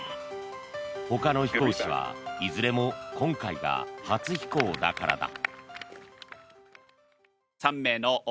ほかの飛行士はいずれも今回が初飛行だからだ。